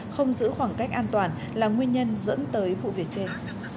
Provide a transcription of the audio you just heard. không giữ khoảng cách an toàn là nguyên nhân dẫn tới vụ việc trên